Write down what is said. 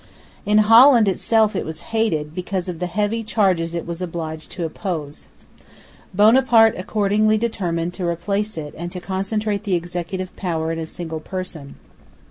In Holland itself it was hated, because of the heavy charges it was obliged to impose. Bonaparte accordingly determined to replace it and to concentrate the executive power in a single person.